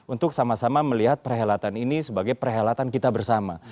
untuk sama sama melihat perhelatan ini sebagai perhelatan kita bersama